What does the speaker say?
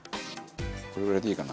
これぐらいでいいかな。